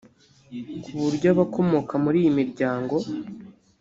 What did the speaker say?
ku buryo abakomoka muri iyi miryango